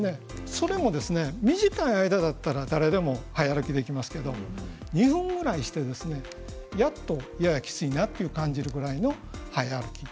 それと短い間だったら誰でも早歩きができますけど２分ぐらいしてやっときついなというぐらいの早歩き。